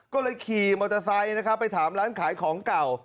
ก็เลยขี่มอเตอร์ไซค์นะครับไปถามร้านขายของเก่า